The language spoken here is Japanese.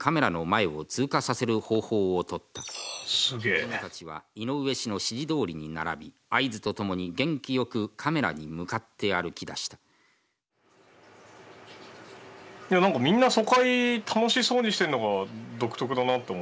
子どもたちは井上氏の指示どおりに並び合図とともに元気よくカメラに向かって歩きだしたいや何かみんな疎開楽しそうにしてるのが独特だなと思って。